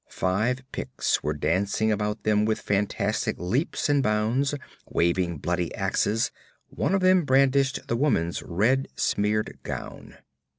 Five Picts were dancing about them with fantastic leaps and bounds, waving bloody axes; one of them brandished the woman's red smeared gown.